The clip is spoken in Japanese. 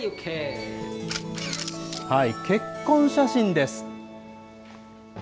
結婚写真です。